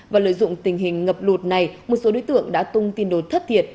và lợi dụng tình hình ngập lụt này một số đối tượng đã tung tin đồn thất thiệt